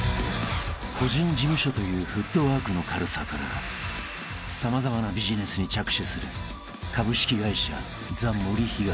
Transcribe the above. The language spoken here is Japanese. ［個人事務所というフットワークの軽さから様々なビジネスに着手する株式会社ザ・森東］